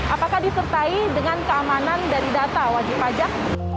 apakah disertai dengan keamanan dari data wajib pajak